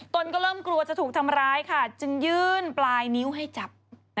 นก็เริ่มกลัวจะถูกทำร้ายค่ะจึงยื่นปลายนิ้วให้จับ